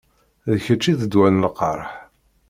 D kečč i d ddwa n lqerḥ.